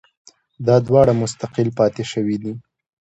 دا دواړه مستقل پاتې شوي دي